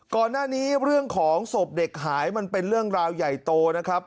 เรื่องของศพเด็กหายมันเป็นเรื่องราวใหญ่โตนะครับ